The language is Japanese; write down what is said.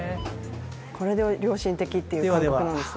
これで良心的って感覚なんですね。